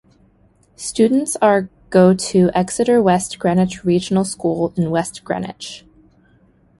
Students are go to Exeter-West Greenwich Regional School in West Greenwich.